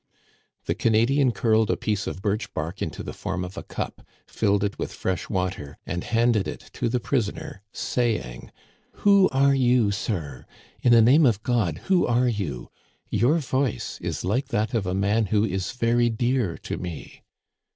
The Canadian curled a piece of birch bark into the form of a cup, filled it with fresh water, and handed it to the prisoner, saying :" Who are you, sir ? In the name of God who are you ? Your voice is like that of a man who is very dear to me."